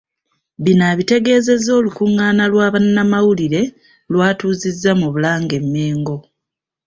Bino abitegeezezza olukungaana lwa bannamawulire lw’atuuzizza mu Bulange e Mmengo